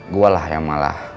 gue lah yang malah